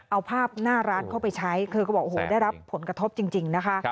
เอาภาพหน้าร้านเข้าไปใช้เธอก็บอกโอ้โหได้รับผลกระทบจริงนะคะ